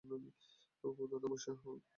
খোদা তোমার সহায় হোন।